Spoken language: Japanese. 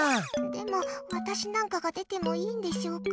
でも、私なんかが出てもいいんでしょうか。